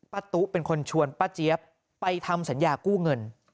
ตุ๊กเป็นคนชวนป้าเจี๊ยบไปทำสัญญากู้เงิน